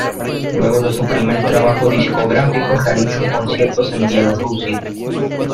Luego de su primer trabajo discográfico, realizan conciertos en Bielorrusia.